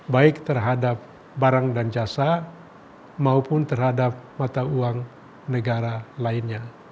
baik terhadap barang dan jualan